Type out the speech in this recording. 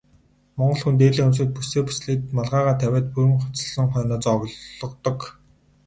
Монгол хүн дээлээ өмсөөд, бүсээ бүслээд малгайгаа тавиад бүрэн хувцасласан хойноо золгодог.